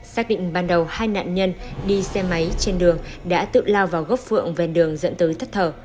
xác định ban đầu hai nạn nhân đi xe máy trên đường đã tự lao vào gốc phượng ven đường dẫn tới thất thờ